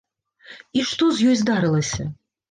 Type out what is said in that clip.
І што з ёй здарылася?